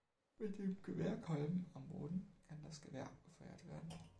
Mit dem Gewehrkolben am Boden kann das Gewehr abgefeuert werden.